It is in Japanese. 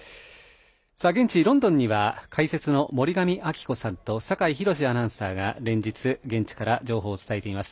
現地ロンドンには解説の森上亜希子さんと酒井博司アナウンサーが連日、現地から情報を伝えています。